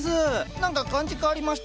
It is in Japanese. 何か感じ変わりましたか？